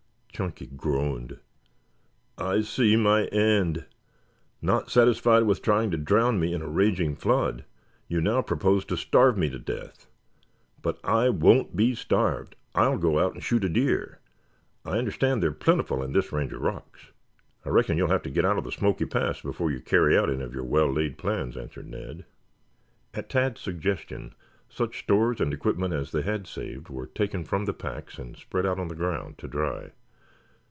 Chunky groaned. "I see my end! Not satisfied with trying to drown me in a raging flood, you now propose to starve me to death! But I won't be starved. I'll go out and shoot a deer. I understand they are plentiful in this range of rocks." "I reckon you will have to get out of Smoky Pass before you carry out any of your well laid plans," answered Ned. At Tad's suggestion, such stores and equipment as they had saved were taken from the packs and spread out on the ground to dry.